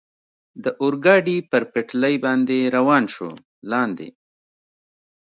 د اورګاډي پر پټلۍ باندې روان شو، لاندې.